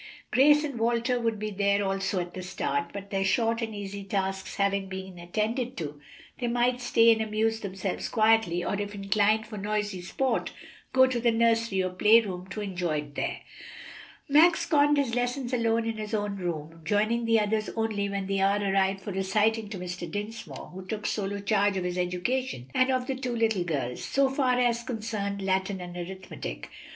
Grace and Walter would be there also at the start, but their short and easy tasks having been attended to, they might stay and amuse themselves quietly, or if inclined for noisy sport, go to the nursery or play room to enjoy it there. Max conned his lessons alone in his own room, joining the others only when the hour arrived for reciting to Mr. Dinsmore, who took sole charge of his education, and of the two little girls, so far as concerned Latin and arithmetic.